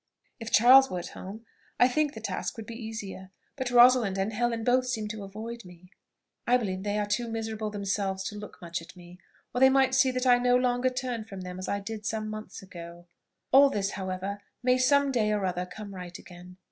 "If Charles were at home, I think the task would be easier; but Rosalind and Helen both seem to avoid me. I believe they are too miserable themselves to look much at me, or they might see that I no longer turned from them as I did some months ago. All this, however, may some day or other come right again.